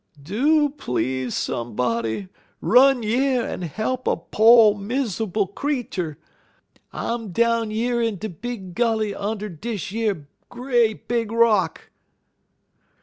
"'Do please, somebody, run yer en he'p a po' mizerbul creetur. I'm down yer in de big gully und' dish yer great big rock.'